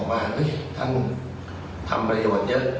การเงินมันมีฝ่ายฮะ